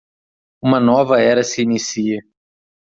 Uma nova era se inicia